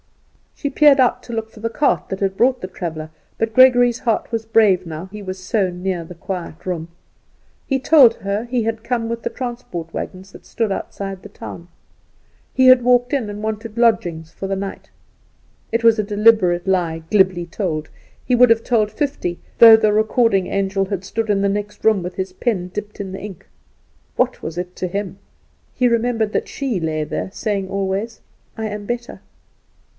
She peered out to look for the cart that had brought the traveller; but Gregory's heart was brave now he was so near the quiet room. He told her he had come with the transport wagons that stood outside the town. He had walked in, and wanted lodgings for the night. It was a deliberate lie, glibly told; he would have told fifty, though the recording angel had stood in the next room with his pen dipped in the ink. What was it to him? He remembered that she lay there saying always: "I am better."